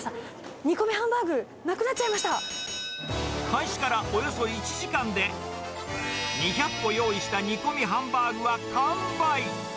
煮込みハンバーグ、なくなっちゃ開始からおよそ１時間で、２００個用意した煮込みハンバーグは完売。